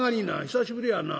久しぶりやな。